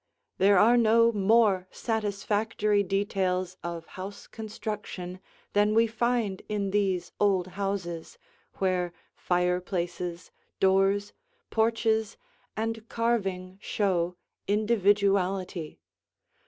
There are no more satisfactory details of house construction than we find in these old houses, where fireplaces, doors, porches, and carving show individuality.